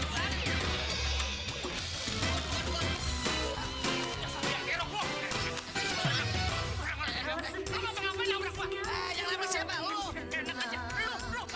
jangan jadi orang jenius jenius itu bodoh